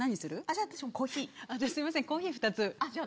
じゃあ私もコーヒーじゃあすいませんコーヒー２つじゃあ